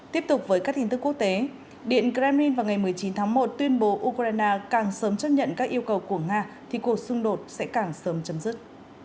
tiếp tục với các tin tức quốc tế điện kremlin vào ngày một mươi chín tháng một tuyên bố ukraine càng sớm chấp nhận các yêu cầu của nga thì cuộc xung đột sẽ càng sớm chấm dứt